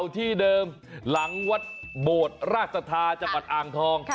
ที่เดิมหลังวัดเบาทราชศาสตร์จังหวัดอางทอง